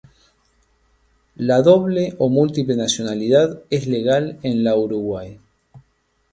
La doble o múltiple nacionalidad es legal en la Uruguay.